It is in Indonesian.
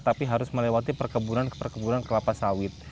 tapi harus melewati perkebunan ke perkebunan kelapa sawit